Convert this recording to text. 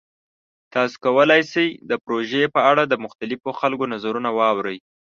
تاسو کولی شئ د پروژې په اړه د مختلفو خلکو نظرونه واورئ.